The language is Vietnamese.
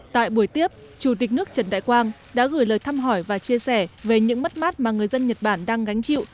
tại buổi tiếp chủ tịch nước trần đại quang đã gửi lời thăm hỏi và chia sẻ về những mất mát mà người dân nhật bản đang gánh chịu